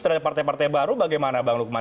terhadap partai partai baru bagaimana bang lukman